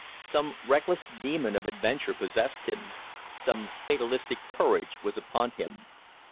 Some reckless demon of adventure possessed him; some fatalistic courage was upon him.